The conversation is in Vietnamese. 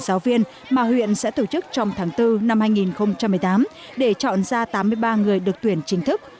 giáo viên mà huyện sẽ tổ chức trong tháng bốn năm hai nghìn một mươi tám để chọn ra tám mươi ba người được tuyển chính thức